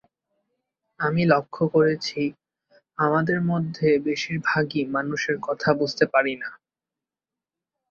আমি লক্ষ করেছি, আমাদের মধ্যে বেশির ভাগই মানুষের কথা বুঝতে পারি না।